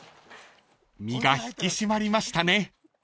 ［身が引き締まりましたね］